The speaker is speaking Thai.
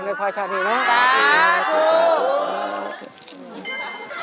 ในภาคศาสตร์นี้เนอะจ้ะถูก